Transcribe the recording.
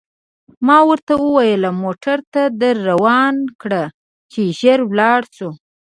ما ورته وویل: موټر ته در روان کړه، چې ژر ولاړ شو.